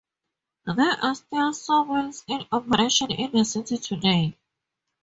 There are still sawmills in operation in the city today.